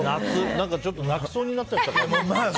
何かちょっと泣きそうになっちゃった。